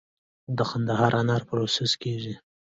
د قندهار انار پروسس کیږي؟